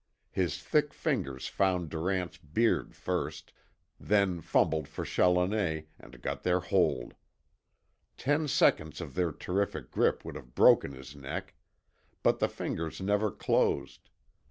His thick fingers found Durant's beard first, then fumbled for Challoner, and got their hold. Ten seconds of their terrific grip would have broken his neck. But the fingers never closed.